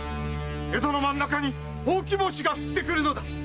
江戸にほうき星が降ってくるのだ！